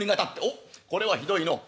「おっこれはひどいのう。